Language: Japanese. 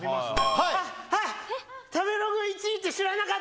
はい！